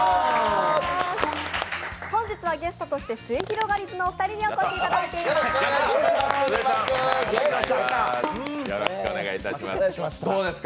本日はゲストとしてすゑひろがりずのお二人にお越しいただいています。